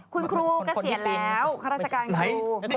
คุณครูเกษียณแล้วข้าราชการครู